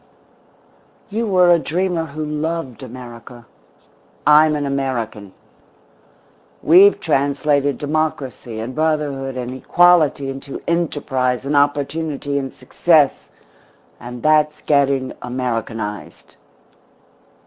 You were a dreamer who loved America. I'm an American. We've translated democracy and brotherhood and equality into enterprise and opportunity and success and that's getting Americanised.